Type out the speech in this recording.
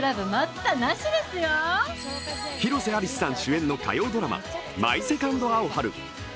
広瀬アリスさん主演の火曜ドラマ「マイ・セカンド・アオハル」。